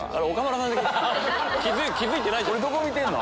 俺どこ見てんの？